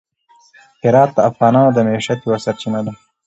هرات د افغانانو د معیشت یوه سرچینه ده.